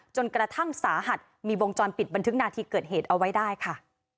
จนกระทั่งสาหัสมีวงจรปิดบันทึกนาทีเกิดเหตุเอาไว้ได้ค่ะ